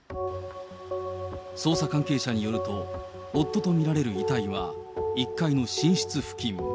捜査関係者によると、夫と見られる遺体は、１階の寝室付近。